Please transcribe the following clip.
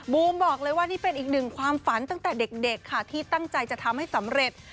บูมบอกเลยว่านี่เป็นอีกหนึ่งความฝันตั้งแต่เด็กค่ะที่ตั้งใจจะทำให้สำเร็จ